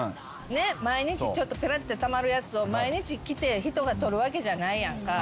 毎日ちょっとぺらってたまるやつを毎日来て人が取るわけじゃないやんか。